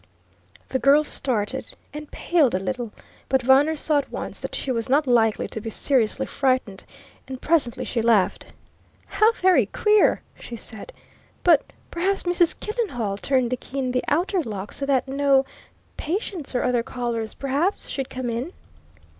The girl started, and paled a little, but Viner saw at once that she was not likely to be seriously frightened, and presently she laughed. "How very queer!" she said. "But perhaps Mrs. Killenhall turned the key in the outer lock so that no patients, or other callers, perhaps should come in?"